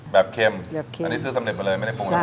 แบบเค็มอันนี้ซื้อสำเร็จไปเลยไม่ได้ปรุงตามเปิด